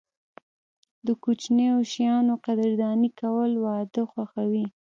د کوچنیو شیانو قدرداني کول، واده خوښوي.